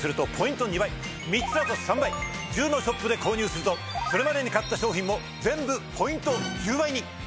１０のショップで購入するとそれまでに買った商品も全部ポイント１０倍に！